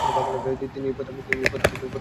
তিনি এই প্রস্তাব প্রত্যাখ্যান করেন।